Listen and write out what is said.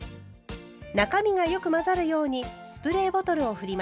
中身がよく混ざるようにスプレーボトルを振ります。